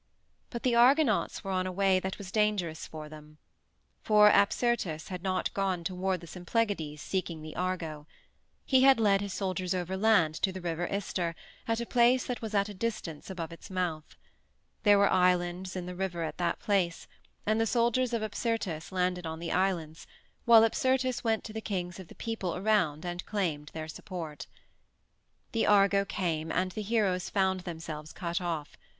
But the Argonauts were on a way that was dangerous for them. For Apsyrtus had not gone toward the Symplegades seeking the Argo. He had led his soldiers overland to the River Ister at a place that was at a distance above its mouth. There were islands in the river at that place, and the soldiers of Apsyrtus landed on the islands, while Apsyrtus went to the kings of the people around and claimed their support. The Argo came and the heroes found themselves cut off.